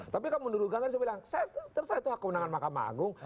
tapi kan menurut garis bilang saya terserah itu aku menangkan makam agung